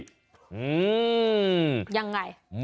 อื้อยังไง